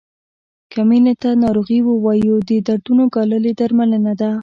که مینې ته ناروغي ووایو د دردونو ګالل یې درملنه ده.